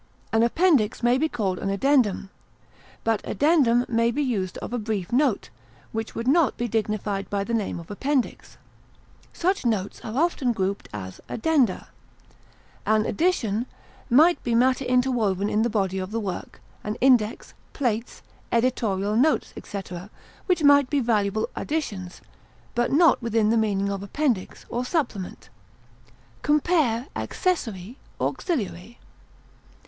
An appendix may be called an addendum; but addendum may be used of a brief note, which would not be dignified by the name of appendix; such notes are often grouped as addenda. An addition might be matter interwoven in the body of the work, an index, plates, editorial notes, etc., which might be valuable additions, but not within the meaning of appendix or supplement. Compare ACCESSORY; AUXILIARY.